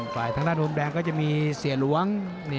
ทางด้านมุมแดงก็จะมีเสียหลวง